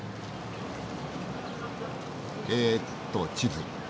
えっと地図っと。